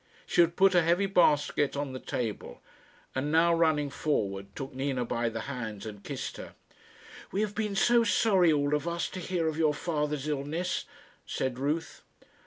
She had put a heavy basket on the table, and now, running forward, took Nina by the hands, and kissed her. "We have been so sorry, all of us, to hear of your father's illness," said Ruth.